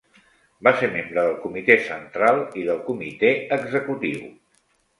Va ser membre del Comitè Central i del Comitè Executiu.